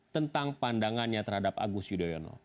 tentang pandangannya terhadap agus yudhoyono